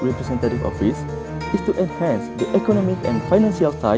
dan telah menandatangani memorandum pertahankan tentang pembangunan ekonomi dan pembangunan ekonomi